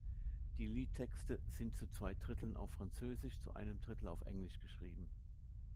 Die Liedtexte sind zu zwei Dritteln auf Französisch, zu einem Drittel auf Englisch geschrieben.